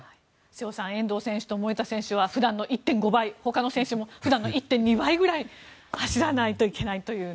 瀬尾さん遠藤選手と守田選手は普段の１．５倍他の選手の１．２倍くらい走らないといけないという。